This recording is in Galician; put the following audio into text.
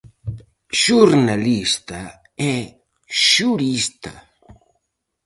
Xornalista e xurista.